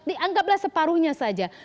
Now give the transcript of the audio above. dianggaplah separuhnya saja